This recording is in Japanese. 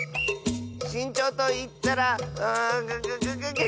しんちょうといったらんググググ。